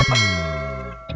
keh gini ya